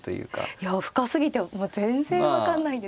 いや深すぎてもう全然分かんないです。